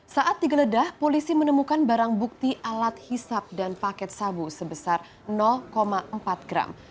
saat digeledah polisi menemukan barang bukti alat hisap dan paket sabu sebesar empat gram